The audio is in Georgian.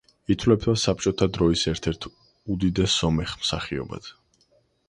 ითვლება საბჭოთა დროის ერთ-ერთ უდიდეს სომეხ მსახიობად.